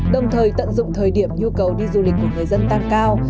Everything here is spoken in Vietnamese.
đồng thời tận dụng thời điểm nhu cầu đi du lịch của người dân tăng cao